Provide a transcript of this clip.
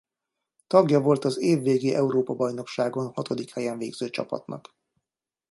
Tagja volt az év végi Európa-bajnokságon hatodik helyen végző csapatnak.